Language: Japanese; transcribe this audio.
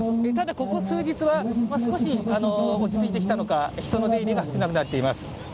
ただ、ここ数日は少し落ち着いてきたのか、人の出入りが少なくなっています。